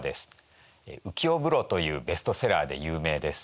「浮世風呂」というベストセラーで有名です。